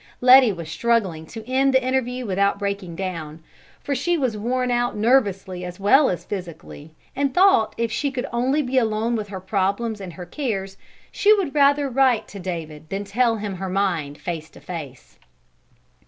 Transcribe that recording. Letty was struggling to end the interview without breaking down, for she was worn out nervously as well as physically, and thought if she could only be alone with her problems and her cares she would rather write to David than tell him her mind face to face.